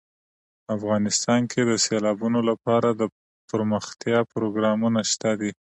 افغانستان کې د سیلابونو لپاره دپرمختیا پروګرامونه شته دي.